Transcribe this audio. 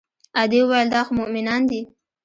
ادې وويل دا خو مومنان دي.